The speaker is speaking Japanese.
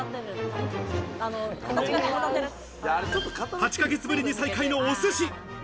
８ヶ月ぶりに再会のお寿司。